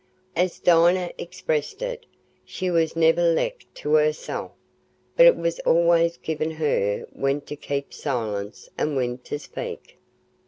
As Dinah expressed it, "she was never left to herself; but it was always given her when to keep silence and when to speak."